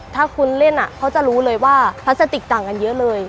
ถ้าคุณเล่นเขาจะรู้เลยว่าพลาสติกต่างกันเยอะเลย